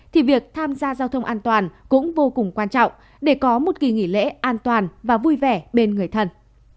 thì việc tham gia giao thông an toàn cũng vô cùng quan trọng để có một kỳ nghỉ lễ an toàn và vui vẻ bên người thân